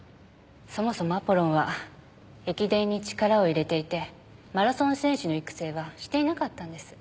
そもそもアポロンは駅伝に力を入れていてマラソン選手の育成はしていなかったんです。